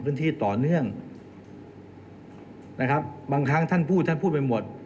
พื้นที่ต่อเนื่องนะครับบางครั้งท่านพูดท่านพูดไปหมด